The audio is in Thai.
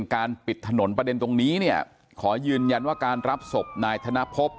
การปิดถนนประเด็นตรงนี้เนี่ยขอยืนยันว่าการรับศพนายธนพบ